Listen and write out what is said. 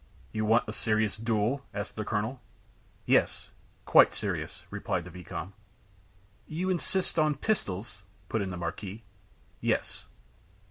"You want a serious duel?" asked the colonel. "Yes quite serious," replied the vicomte. "You insist on pistols?" put in the marquis. "Yes."